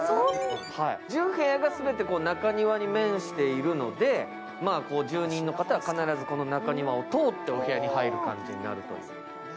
１０部屋が全て中庭に面しているので、住人の方は必ずこの中庭を通ってお部屋に入る感じになると思う。